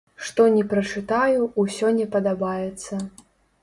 Што ні прачытаю, усё не падабаецца.